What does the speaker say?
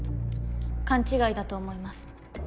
勘違いだと思います。